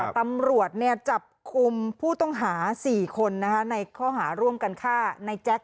ตำรวจจับคุมผู้ต้องหา๔คนในข้อหาร่วมกันฆ่าในแจ๊ค